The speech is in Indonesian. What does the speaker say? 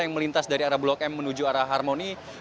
yang melintas dari arah blok m menuju arah harmoni